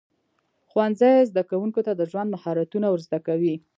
ښوونځی زده کوونکو ته د ژوند مهارتونه ورزده کوي.